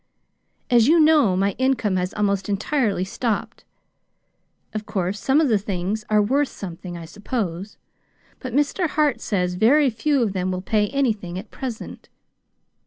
As you know, my income has almost entirely stopped. Of course, some of the things are worth something, I suppose; but Mr. Hart says very few of them will pay anything at present.